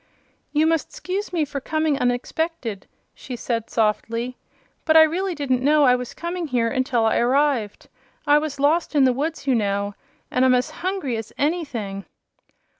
"You must 'scuse me for coming unexpected," she said, softly, "but I really didn't know I was coming here until I arrived. I was lost in the woods, you know, and I'm as hungry as anything."